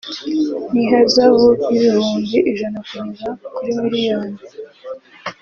n’ihazabu y’ibihumbi ijana kugeza kuri miliyoni